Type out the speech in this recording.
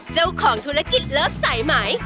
เจ้าของธุรกิจเลิฟสายไหม